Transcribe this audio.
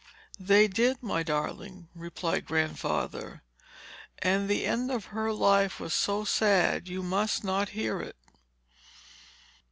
"They did, my darling," replied Grandfather; "and the end of her life was so sad, you must not hear it.